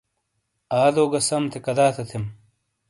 آدو گہ سم تھے کدا تھے تھیم۔